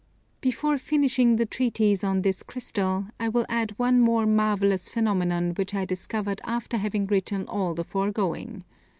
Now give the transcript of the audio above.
Before finishing the treatise on this Crystal, I will add one more marvellous phenomenon which I discovered after having written all the foregoing.